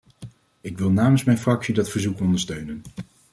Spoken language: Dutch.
Ik wil namens mijn fractie dat verzoek ondersteunen.